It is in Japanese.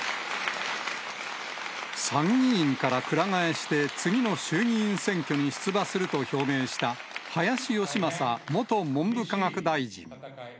参議院からくら替えして次の衆議院選挙に出馬すると表明した、林芳正元文部科学大臣。